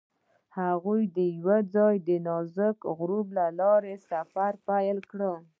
هغوی یوځای د نازک غروب له لارې سفر پیل کړ.